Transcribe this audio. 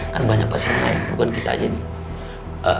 kan banyak pasiennya bukan kita aja nih